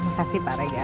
makasih pak regar